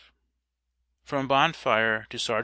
From Bonfire to Sergt.